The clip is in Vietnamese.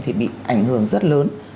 thì bị ảnh hưởng rất lớn